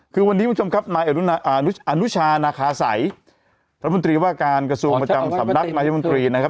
คือวันนี้คุณผู้ชมครับนายอนุชานาคาสัยรัฐมนตรีว่าการกระทรวงประจำสำนักนายมนตรีนะครับ